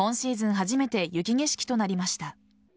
初めて雪景色となりました。